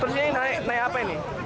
terus ini naik apa ini